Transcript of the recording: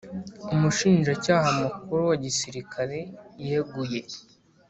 Umushinjacyaha Mukuru wa Gisirikare yeguye